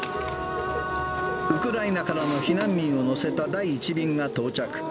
ウクライナからの避難民を乗せた第１便が到着。